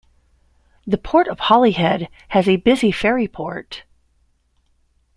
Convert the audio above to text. The Port of Holyhead has a busy ferry port.